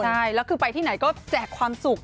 ใช่แล้วคือไปที่ไหนก็แจกความสุข